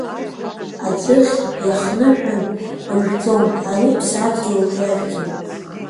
Аӡыхь иахныҳәаны иржәӡом, ари ԥсадгьылуп иажәӡом…